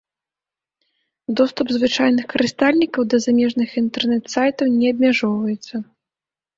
Доступ звычайных карыстальнікаў да замежных інтэрнэт-сайтаў не абмяжоўваецца.